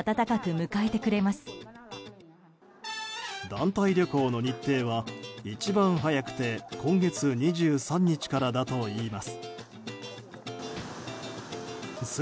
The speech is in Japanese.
団体旅行の日程は、一番早くて今月２３日からだといいます。